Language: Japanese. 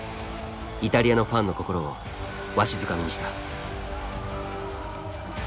イタリアのファンの心をわしづかみにした。